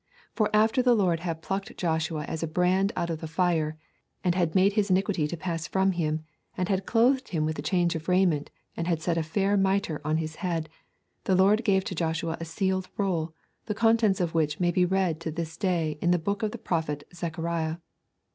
For after the Lord had plucked Joshua as a brand out of the fire, and had made his iniquity to pass from him, and had clothed him with change of raiment, and had set a fair mitre on his head, the Lord gave to Joshua a sealed roll, the contents of which may be read to this day in the book of the prophet Zechariah.